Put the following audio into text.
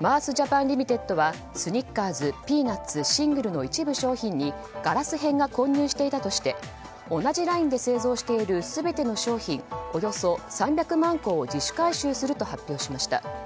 マースジャパンリミテッドはスニッカーズピーナッツシングルの一部商品にガラス片が混入していたとして同じラインで製造している全ての商品およそ３００万個を自主回収すると発表しました。